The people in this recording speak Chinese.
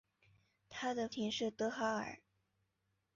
她的父亲是德哈尔。